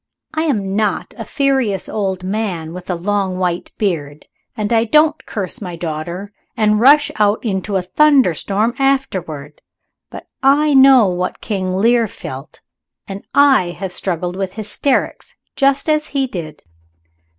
I am not a furious old man with a long white beard, and I don't curse my daughter and rush out into a thunderstorm afterward but I know what King Lear felt, and I have struggled with hysterics just as he did.